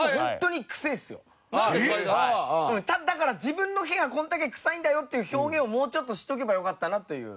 だから自分の屁がこんだけ臭いんだよっていう表現をもうちょっとしておけばよかったなという。